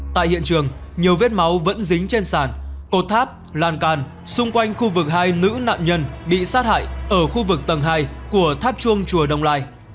tại hiện trường nhiều vết máu vẫn dính trên sàn cột tháp lan can xung quanh khu vực hai nữ nạn nhân bị sát hại ở khu vực tầng hai của tháp chuông chùa đông lai